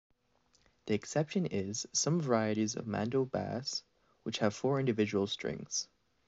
The exception is some varieties of mando-bass, which have four individual strings.